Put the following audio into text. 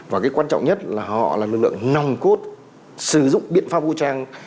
và cái quan trọng nhất là họ là lực lượng nòng cốt sử dụng biện pháp vũ trang